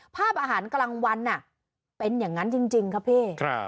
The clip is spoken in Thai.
ภาพอาหารกลางวันเป็นอย่างนั้นจริงครับพี่